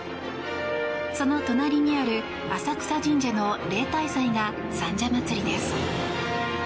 その隣にある浅草神社の例大祭が三社祭です。